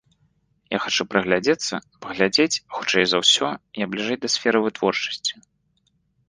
Я хачу прыглядзецца, паглядзець, хутчэй за ўсё, я бліжэй да сферы вытворчасці.